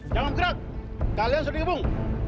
jangan bergerak kalian sudah dikepung